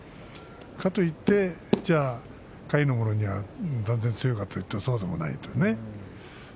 かといって下位の者には断然強いかというとそうでもないというね。